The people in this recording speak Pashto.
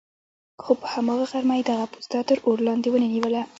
خو په هماغه غرمه یې دغه پوسته تر اور لاندې ونه نیوله.